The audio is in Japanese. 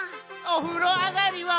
「お風呂あがりは」